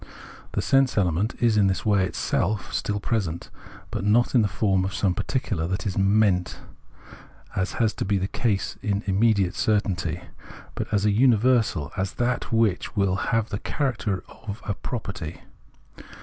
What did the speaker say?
The sense element is in this way itself still present, but not in the form of some particular that is "meant" — as had to be the case in immediate cer tainty — but as a universal, as that which will have the character of a property.